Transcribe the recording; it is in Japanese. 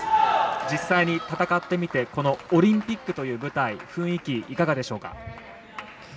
実際に戦ってみてオリンピックという舞台雰囲気いかがでしょうか？